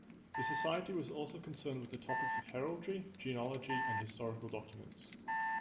The society was also concerned with the topics of heraldry, genealogy, and historical documents.